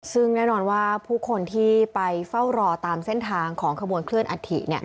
ซึ่งแน่นอนว่าผู้คนที่ไปเฝ้ารอตามเส้นทางของขบวนเคลื่อนอัฐิ